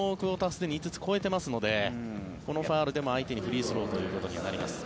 すでに５つ超えていますのでこのファウルでも相手にフリースローとなります。